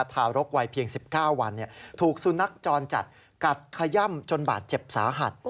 ทารกวัยเพียง๑๙วันถูกสุนัขจรจัดกัดขย่ำจนบาดเจ็บสาหัส